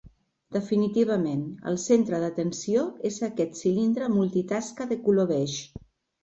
Definitivament, el centre d'atenció és aquest cilindre multitasca de color beix.